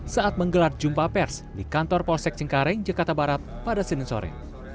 saat menggelar jumpa pers di kantor polsek cengkareng jakarta barat pada senin sore